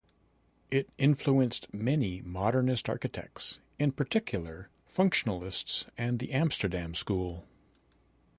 It influenced many modernist architects, in particular functionalists and the Amsterdam School.